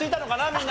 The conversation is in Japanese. みんな。